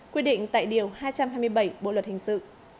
quy định tại điều hai trăm hai mươi bảy bộ luật hình sự